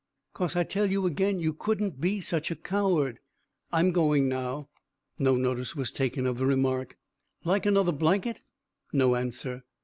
"'Cause I tell you agen you couldn't be such a coward. I'm going now." No notice was taken of the remark. "Like another blanket?" No answer.